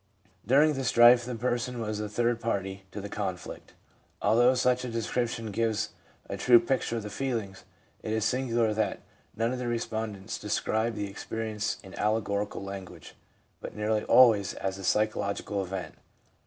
During the strife the person was a third party to the conflict. Although such a description gives a true picture of the feelings, it is singular that none of the respondents described the experience in allegorical language, but nearly always as a psychological event.